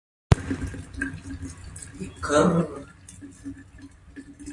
طبیعي زیرمې د افغانستان د صنعت لپاره ډېر اړین مواد په پوره توګه برابروي.